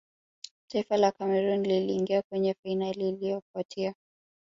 taifa la cameroon liliingia kwenye fainali iliyofuatia